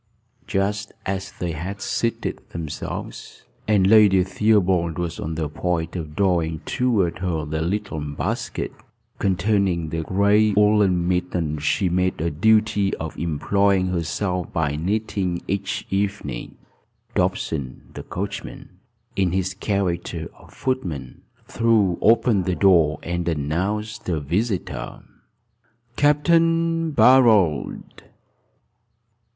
Just as they had seated themselves, and Lady Theobald was on the point of drawing toward her the little basket containing the gray woollen mittens she made a duty of employing herself by knitting each evening, Dobson, the coachman, in his character of footman, threw open the door, and announced a visitor. "Capt. Barold."